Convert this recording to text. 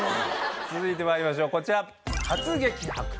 続いてまいりましょうこちら。